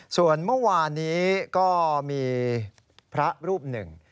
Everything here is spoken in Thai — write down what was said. ส่วนเมื่อวานนี้ก็มีพระรูปหนึ่ง